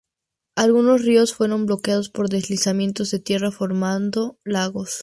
Algunos ríos fueron bloqueados por deslizamientos de tierra, formando lagos.